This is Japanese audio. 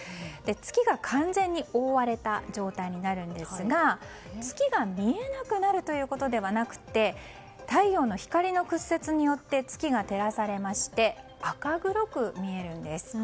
月が完全に覆われた状態になるんですが月が見えなくなるということではなくて太陽の光の屈折によって月が照らされまして赤黒く見えるんです。